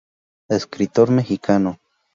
Escritor mexicano.